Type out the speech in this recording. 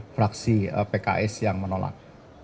fraksi pks yang menolak